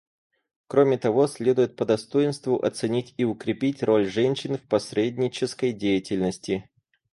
Кроме того, следует по достоинству оценить и укрепить роль женщин в посреднической деятельности.